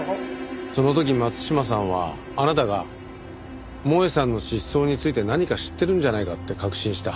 その時松島さんはあなたが萌絵さんの失踪について何か知ってるんじゃないかって確信した。